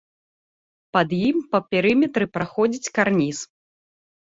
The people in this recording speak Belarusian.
Пад ім па перыметры праходзіць карніз.